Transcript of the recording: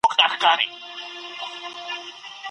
د ورزش پر مهال کالورۍ د ګرمښت لپاره کارول کېږي.